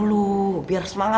nasi rames doang